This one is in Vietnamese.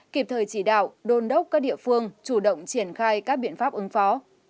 kịp thời chỉ đạo đôn đốc các địa phương chủ động triển khai các biện pháp ứng phó